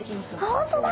本当だ！